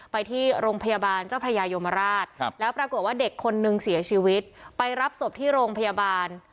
ไปที่โรงพยาบาลเจ้าพระยายมราชแล้วปรากฏว่าเด็กคนนึงเสียชีวิตไปรับศพที่โรงพยาบาล